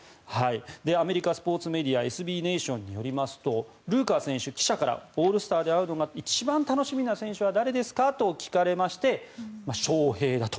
アメリカスポーツメディアＳＢネイションによりますとルーカー選手、記者からオールスターで会うのが一番楽しみな選手は誰ですかと聞かれショウヘイだと。